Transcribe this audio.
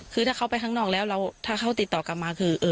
คือถ้าเขาไปข้างนอกแล้วถ้าเขาติดต่อกลับมาคือ